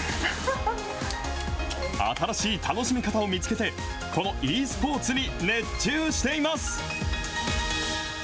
新しい楽しみ方を見つけて、このｅスポーツに熱中しています。